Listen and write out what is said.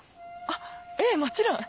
あっええもちろん！